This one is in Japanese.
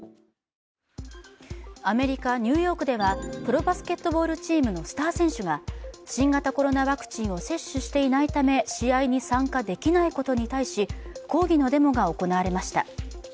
アメリカ・ニューヨークではプロバスケットチームのスター選手が、新型コロナワクチンを接種していないため試合に参加できないことに対し抗議のデモが行われました。